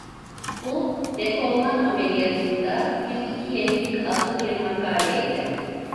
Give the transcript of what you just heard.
Bu, "Dekolman Ameliyatında Bir İki Yenilik" adlı bir makale idi.